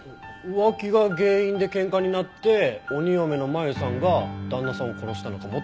浮気が原因で喧嘩になって鬼嫁の真由さんが旦那さんを殺したのかもって事？